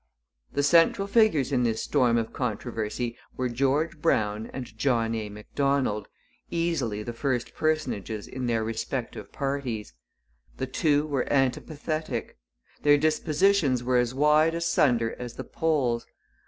The central figures in this storm of controversy were George Brown and John A. Macdonald, easily the first personages in their respective parties. The two were antipathetic. Their dispositions were as wide asunder as the poles.